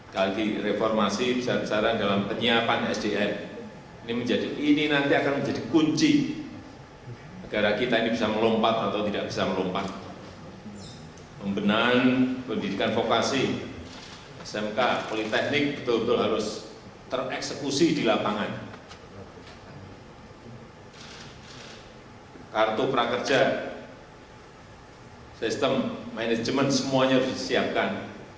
konsekuensi di lapangan kartu perang kerja sistem manajemen semuanya disiapkan